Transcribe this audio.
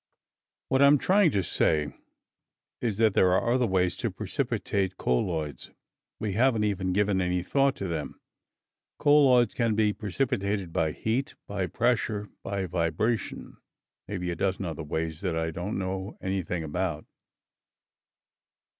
"What I'm trying to say is that there are other ways to precipitate colloids. We haven't even given any thought to them. Colloids can be precipitated by heat, by pressure, by vibration. Maybe a dozen other ways that I don't know anything about.